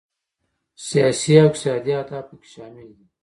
سیاسي او اقتصادي اهداف پکې شامل دي.